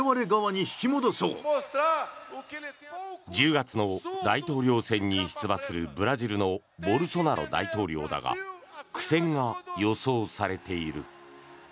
１０月の大統領選に出馬するブラジルのボルソナロ大統領だが苦戦が予想されている。